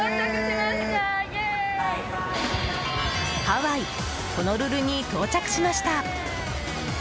ハワイ・ホノルルに到着しました。